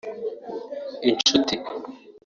Inshuti